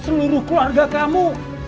seluruh keluarga kamu